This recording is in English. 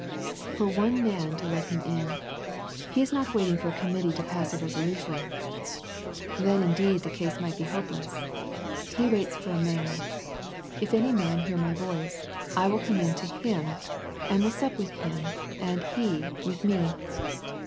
For one man to let Him in. He is not waiting for a committee to pass a resolution. Then indeed The Laodicea Letter 209 the case might be hopeless. He waits for a man, " If any man hear My voice, I will come in to hintj and will sup with him and he with Me."